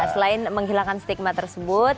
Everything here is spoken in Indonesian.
selain menghilangkan stigma tersebut